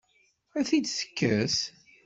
Ad t-id-tekkes?